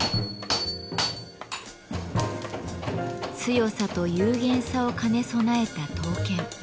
強さと幽玄さを兼ね備えた刀剣。